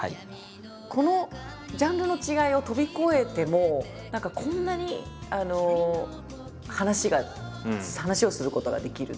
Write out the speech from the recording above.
このジャンルの違いを飛び越えても何かこんなに話が話をすることができるというか。